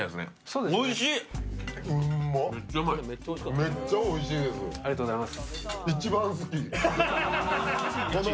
めっちゃおいしいです。